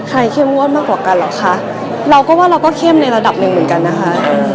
เข้มงวดมากกว่ากันเหรอคะเราก็ว่าเราก็เข้มในระดับหนึ่งเหมือนกันนะคะ